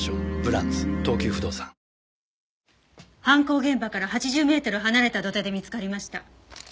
犯行現場から８０メートル離れた土手で見つかりました。